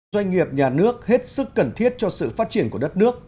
doanh nghiệp nhà nước hết sức cần thiết cho sự phát triển của đất nước